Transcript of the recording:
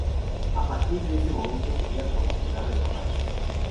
A partir de ese momento seria promocionado en la radio.